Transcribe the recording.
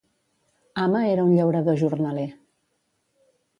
Ama era un llaurador jornaler.